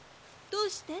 どうして？